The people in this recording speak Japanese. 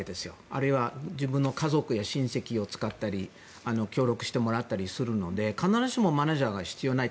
あるいは自分の家族や親戚を使ったり協力してもらったりするので必ずしもマネジャーは必要ない。